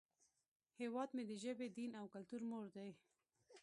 هیواد مې د ژبې، دین، او کلتور مور دی